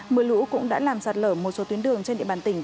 mưa lũ cũng đã làm sạt lở một số tuyến đường trên địa bàn tỉnh